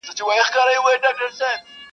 لا معیار د سړیتوب مال و دولت دی.